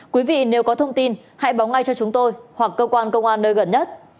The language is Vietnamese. quý vị nếu có thông tin hãy báo ngay cho chúng tôi hoặc cơ quan công an nơi gần nhất